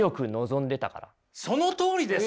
そのとおりですよ！